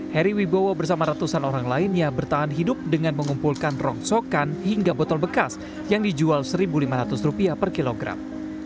heri wibowo bersama ratusan orang lainnya bertahan hidup dengan mengumpulkan rongsokan hingga botol bekas yang dijual rp satu lima ratus per kilogram